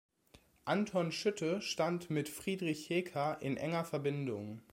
Anton Schütte stand mit Friedrich Hecker in enger Verbindung.